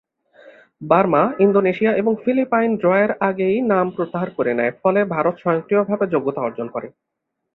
Burma, Indonesia এবং Philippines ড্রয়ের আগেই নাম প্রত্যাহার করে নেয়, ফলে ভারত স্বয়ংক্রিয়ভাবে যোগ্যতা অর্জন করে।